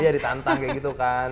iya ditantang kayak gitu kan